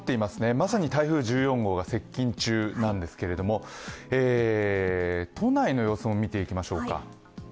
まさに台風１４号が接近中なんですけど、都内の様子も見ていきましょうか。